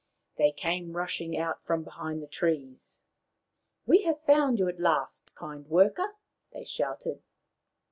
They came rushing out from behind the trees. " We have found you at last, kind worker/' they shouted.